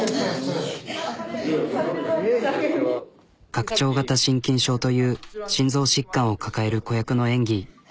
拡張型心筋症という心臓疾患を抱える子役の演技。